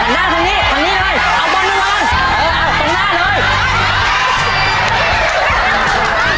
ได้โห